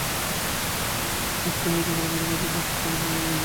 কার্যত এই কর্মসূচি ব্যর্থ হয়েছে বলে মনে করছেন দলটির তৃণমূলের নেতা কর্মীরা।